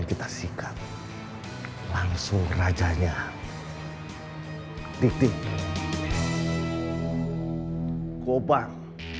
yang kita sikat langsung rajanya titik gobang